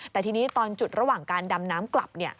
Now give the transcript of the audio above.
แต่ทีนี้ตอนจุดระหว่างการดำน้ำกลับ